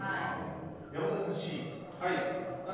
山添さんはＣです。